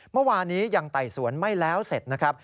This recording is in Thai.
เมื่อวานนี้ยังไต่สวนไม่แล้วเสร็จนะครับ